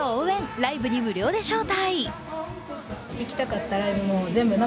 ライブに無料で招待。